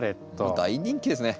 大人気ですね。